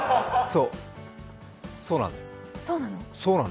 そうなの！